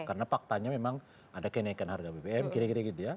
karena faktanya memang ada kenaikan harga bbm kira kira gitu ya